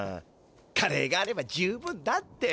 カレーがあれば十分だって！